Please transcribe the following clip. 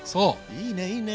いいねいいね！